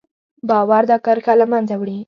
باور دا کرښه له منځه وړي.